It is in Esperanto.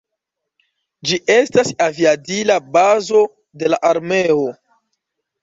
Ĝi estas aviadila bazo de la armeo.